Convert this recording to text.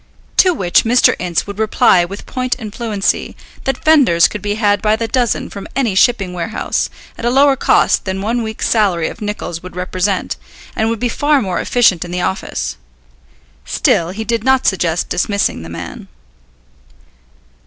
To which Mr. Ince would reply with point and fluency that fenders could be had by the dozen from any shipping warehouse, at a lower cost than one week's salary of Nicol's would represent, and would be far more efficient in the office. Still he did not suggest dismissing the man.